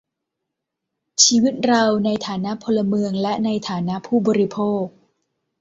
ชีวิตเราในฐานะพลเมืองและในฐานะผู้บริโภค